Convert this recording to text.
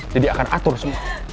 dede akan atur semua